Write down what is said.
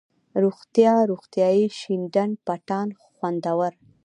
روغتيا، روغتیایي ،شين ډنډ، پټان ، خوندور،